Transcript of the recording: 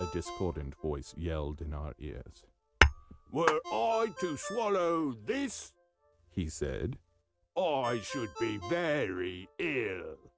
a discordant voice yelled in our ears. "Were I to swallow this,' he said, 'I should be very ill!'"